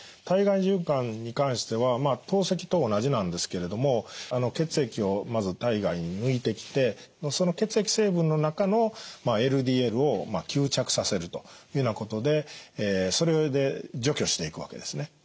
体外循環に関しては透析と同じなんですけれども血液をまず体外に抜いてきてその血液成分の中のＬＤＬを吸着させるというようなことでそれで除去していくわけですね。